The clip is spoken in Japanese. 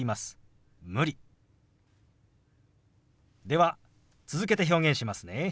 では続けて表現しますね。